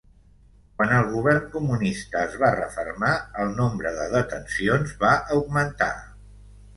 Quan el govern comunista es va refermar, el nombre de detencions va augmentar.